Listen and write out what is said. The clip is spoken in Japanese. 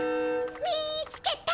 みつけた！